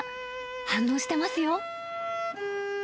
反応してますよ。